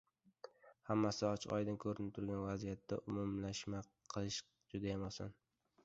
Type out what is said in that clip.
Hammasi ochiq-oydin koʻrinib turgan vaziyatda umumlashma qilish judayam oson.